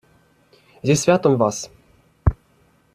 Із святом вас!